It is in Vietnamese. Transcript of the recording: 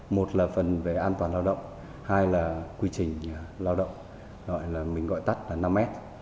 một là phần về an toàn lao động hai là quy trình lao động gọi là mình gọi tắt là năm s